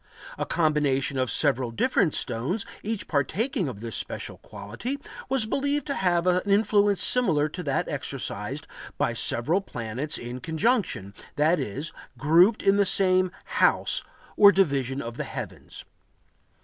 A combination of several different stones, each partaking of this special quality, was believed to have an influence similar to that exercised by several planets in conjunction,—that is, grouped in the same "house" or division of the heavens.